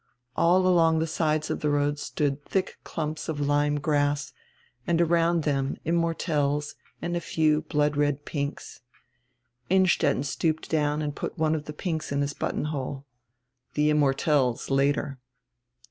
All along die sides of die road stood diick clumps of lyme grass, and around diem immortelles and a few blood red pinks. Innstetten stooped down and put one of die pinks in his buttonhole. "The immortelles later."